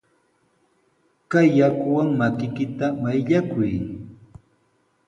Kay yakuwan makiykita mayllakuy.